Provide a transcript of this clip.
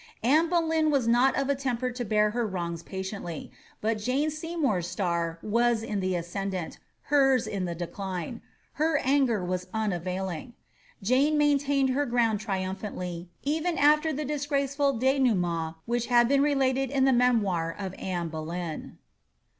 Anne Boleyn was not of a temper to bear her wrongs patiently ; but Jaoe Seymour'A star was in the ascendant, hers in the decline; her anger vas unavailing. Jane maintained her ground triumphandy, even atier the disgraceful denouement which has been related in the memoir of iaae Boloyn.